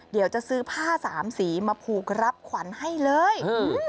เดี๋ยวจะซื้อผ้าสามสีมาผูกรับขวัญให้เลย